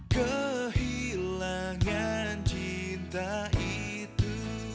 kehilangan cinta itu